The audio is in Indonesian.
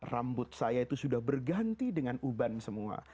rambut saya itu sudah berganti dengan uban semua